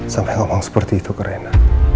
sampai ngomong seperti itu ke reina